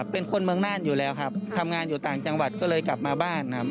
เป็นคนเมืองน่านอยู่แล้วครับทำงานอยู่ต่างจังหวัดก็เลยกลับมาบ้านครับ